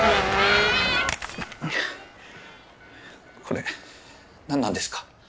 これ何なんですか？